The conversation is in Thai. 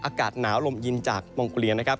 อากาศหนาวลมยินจากวงกุเรียนนะครับ